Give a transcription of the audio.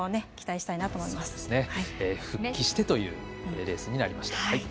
復帰してというレースになりました。